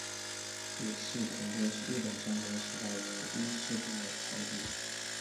细野藤敦是日本战国时代于伊势国的豪族。